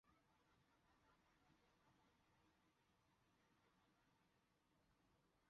黑端管蚜为常蚜科藤蚜属下的一个种。